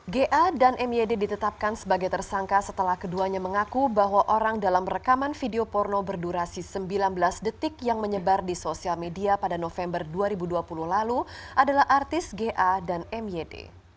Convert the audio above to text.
ga dan myd ditetapkan sebagai tersangka setelah keduanya mengaku bahwa orang dalam rekaman video porno berdurasi sembilan belas detik yang menyebar di sosial media pada november dua ribu dua puluh lalu adalah artis ga dan myd